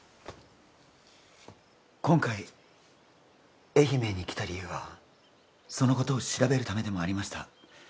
今回愛媛に来た理由はそのことを調べるためでもありました